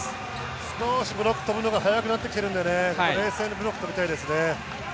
少しブロックに跳ぶのが早くなっているので、冷静に跳びたいですね。